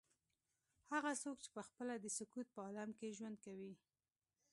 هغه څوک چې پخپله د سکوت په عالم کې ژوند کوي.